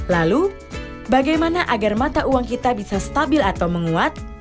lalu bagaimana agar mata uang kita bisa stabil atau menguat